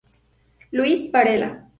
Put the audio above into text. Luis Varela